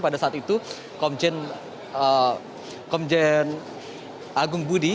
pada saat itu komjen agung budi